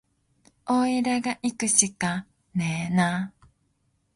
おいらがいくしかねえな